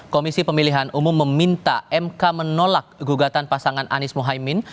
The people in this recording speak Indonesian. komisi pemilihan umum meminta mk menolak gugatan pasangan anies mohaimin